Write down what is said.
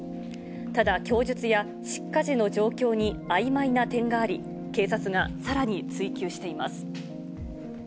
ただ、供述や失火時の状況にあいまいな点があり、警察がさらに追及しています。